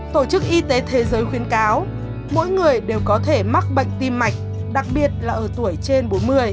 tổ chức y tế thế giới khuyến cáo mỗi người đều có thể mắc bệnh tim mạch đặc biệt là ở tuổi trên bốn mươi